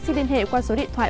xin liên hệ qua số điện thoại